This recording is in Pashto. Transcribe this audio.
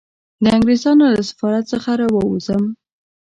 د انګریز له سفارت څخه را ووځم.